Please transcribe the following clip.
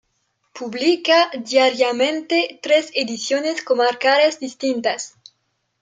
Publica diariamente tres ediciones comarcales distintas.